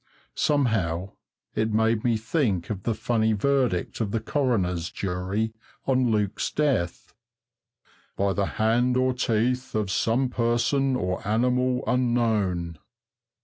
Somehow it made me think of the funny verdict of the coroner's jury on Luke's death, "by the hand or teeth of some person or animal unknown."